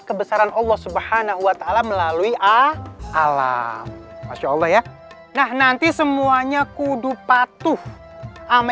kebesaran allah subhanahu wa ta'ala melalui alam masya allah ya nah nanti semuanya kudu patuh ama